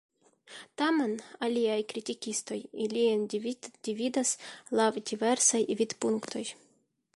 Tamen aliaj kritikistoj ilin dividas laŭ diversaj vidpunktoj.